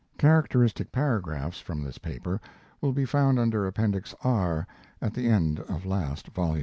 Characteristic paragraphs from this paper will be found under Appendix R, at the end of last volume.